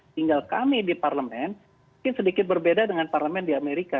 tinggal kami di parlemen mungkin sedikit berbeda dengan parlemen di amerika